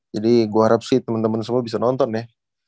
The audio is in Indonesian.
jadi gue harap sih temen temen semua bisa nonton ya